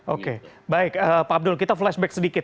oke baik pak abdul kita flashback sedikit